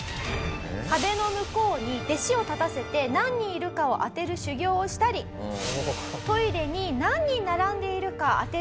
壁の向こうに弟子を立たせて何人いるかを当てる修行をしたりトイレに何人並んでいるか当てる修行をしたり。